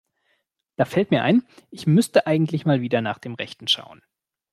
Da fällt mir ein, ich müsste eigentlich mal wieder nach dem Rechten schauen.